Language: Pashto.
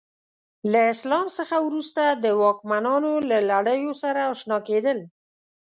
له اسلام څخه وروسته د واکمنانو له لړیو سره اشنا کېدل.